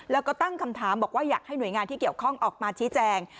แล้วก็ตั้งคำถามบอกว่าอยากให้หน่วยงานที่เกี่ยวข้องออกมาชี้แจง